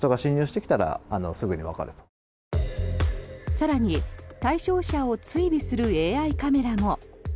更に、対象者を追尾するＡＩカメラも。